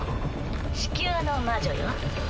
地球の魔女よ。